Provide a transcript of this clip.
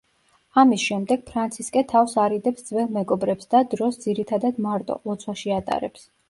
ამის შემდეგ ფრანცისკე თავს არიდებს ძველ მეგობრებს და დროს ძირითადად მარტო, ლოცვაში ატარებს.